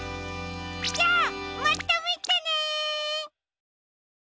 じゃあまたみてね！